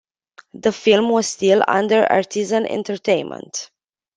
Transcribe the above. The film was still under Artisan Entertainment.